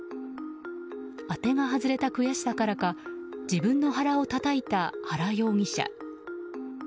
当てが外れた悔しさからか自分の腹をたたいた原容疑者。